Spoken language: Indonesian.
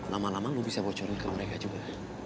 lama lama gue bisa bocorin ke mereka juga